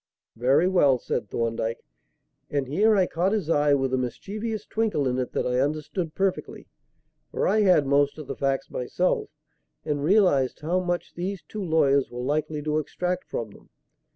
"Very well," said Thorndyke; and here I caught his eye with a mischievous twinkle in it that I understood perfectly; for I had most of the facts myself and realized how much these two lawyers were likely to extract from them.